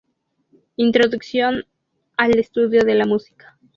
Introducción al estudio de la música.